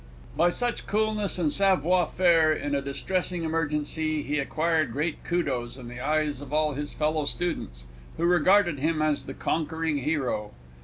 By such coolness and savoir faire in a distressing emergency he acquired great kudos in the eyes of all his fellow students, who regarded him as the conquering hero.